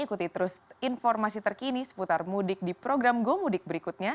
ikuti terus informasi terkini seputar mudik di program gomudik berikutnya